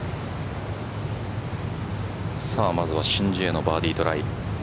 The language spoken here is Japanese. まずは申ジエのバーディートライ。